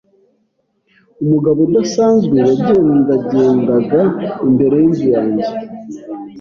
Umugabo udasanzwe yagendagendaga imbere yinzu yanjye.